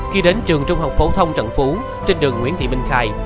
khi đến trường trung học phố thông trận phú trên đường nguyễn thị minh khai